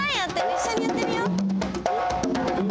いっしょにやってみよう。